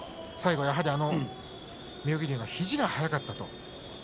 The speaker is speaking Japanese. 最後やはり妙義龍の肘が早かったと。